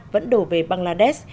vẫn đổ về bangladesh